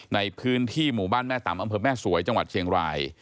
ในพื้นที่หมู่บ้านแม่ต่ำอำเภอแม่สวยจังหวัดเชียงราย